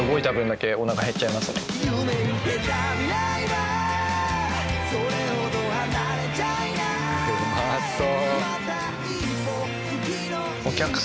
うまそう！